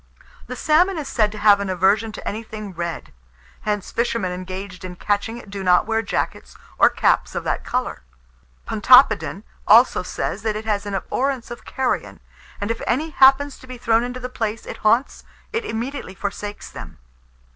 The salmon is said to have an aversion to anything red; hence, fishermen engaged in catching it do not wear jackets or caps of that colour. Pontoppidan also says, that it has an abhorrence of carrion, and if any happens to be thrown into the places it haunts, it immediately forsakes them.